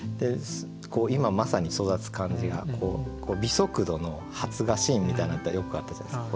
今まさに育つ感じが微速度の発芽シーンみたいなのってよくあったじゃないですか。